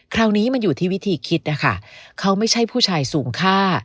คราวนี้มันอยู่ที่วิธีคิดนะคะเขาไม่ใช่ผู้ชายสูงค่า